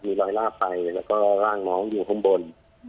มีรอยลาบไปแล้วก็ร่างน้องอยู่ข้างบน